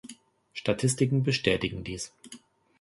Statistiken bestätigen dies.